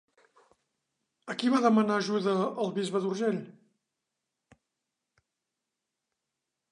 A qui va demanar ajuda el Bisbe d'Urgell?